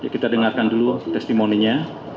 kita dengarkan dulu testimoninya